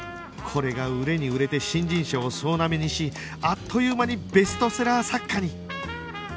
これが売れに売れて新人賞を総なめにしあっという間にベストセラー作家に！